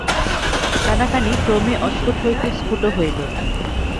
কানাকানি ক্রমে অস্ফুট হইতে স্ফুট হইয়া উঠিল।